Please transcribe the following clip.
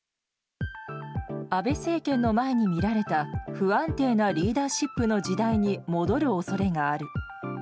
安倍政権の前に見られた不安定なリーダーシップの時代に戻るおそれがある。